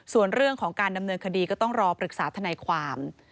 ส่วนเรื่องของการดำเนินคดีก็ต้องรอปรึกษาทนายความ